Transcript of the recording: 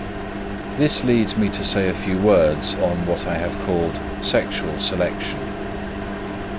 This leads me to say a few words on what I have called sexual selection.